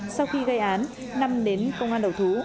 sau khi gây án năm đến công an đầu thú